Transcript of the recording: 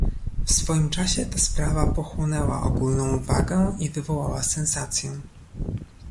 "W swoim czasie ta sprawa pochłonęła ogólną uwagę i wywołała sensację."